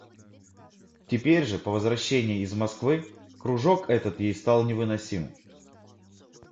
Теперь же, по возвращении из Москвы, кружок этот ей стал невыносим.